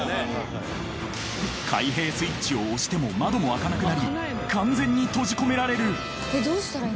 ［開閉スイッチを押しても窓が開かなくなり完全に閉じ込められる］